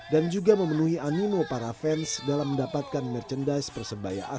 dan juga memenuhi animo para fans dalam mendapatkan merchandise persebaya asli terbaru